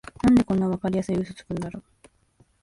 なんでこんなわかりやすいウソつくんだろ